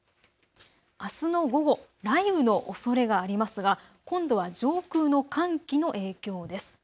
あすの午後、雷雨のおそれがありますが今度は上空の寒気の影響です。